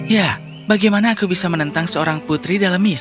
ya bagaimana aku bisa menentang seorang putri